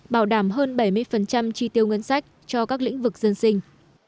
bảo đảm hơn bảy mươi chi tiêu ngân sách cho các lĩnh vực dân sinh